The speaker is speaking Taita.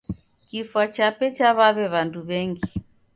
Kifwa chape chaw'aw'e w'andu w'engi.